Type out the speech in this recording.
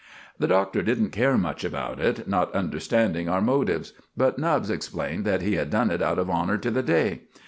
The Doctor didn't care much about it, not understanding our motives. But Nubbs explained that he had done it out of honor to the day.